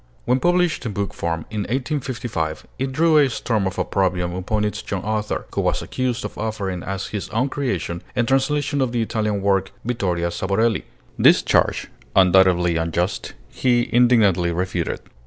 When published in book form in 1855 it drew a storm of opprobrium upon its young author, who was accused of offering as his own creation a translation of the Italian work 'Vittoria Savorelli.' This charge, undoubtedly unjust, he indignantly refuted.